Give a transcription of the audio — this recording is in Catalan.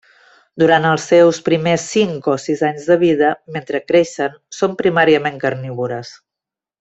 Durant els seus primers cinc o sis anys de vida, mentre creixen, són primàriament carnívores.